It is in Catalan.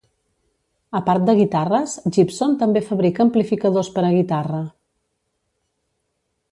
A part de guitarres, Gibson també fabrica amplificadors per a guitarra.